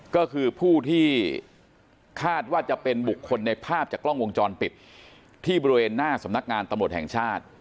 ก็คือผู้ที่คาดว่าจะเป็นบุคคลในภาพจากกล้องวงจรปิดที่บริเวณหน้าสำนักงานตำรวจแห่งชาติ